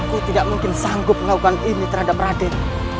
aku tidak mungkin sanggup melakukan ini terhadap raden